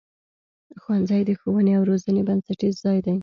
ښوونځی د ښوونې او روزنې بنسټیز ځای دی.